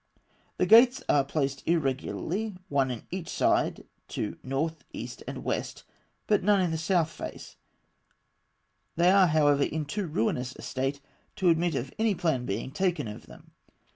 The gates are placed irregularly, one in each side to north, east, and west, but none in the south face; they are, however, in too ruinous a state to admit of any plan being taken of them.